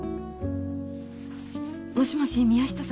もしもし宮下さんですか？